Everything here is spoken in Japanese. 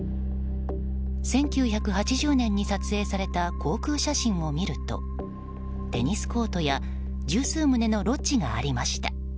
１９８０年に撮影された航空写真を見るとテニスコートや十数棟のロッジがありました。